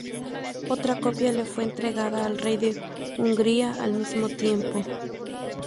Otra copia le fue entregada al rey de Hungría al mismo tiempo.